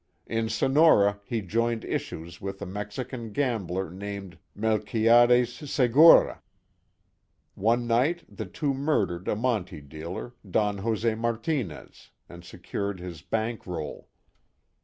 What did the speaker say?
In Sonora he joined issues with a Mexican gambler named Melquiades Segura. One night the two murdered a monte dealer, Don Jose Martinez, and secured his "bank roll."